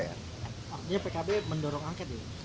artinya pkb mendorong angket